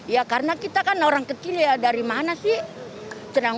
ya karena kita kan orang kecil ya dari mana sih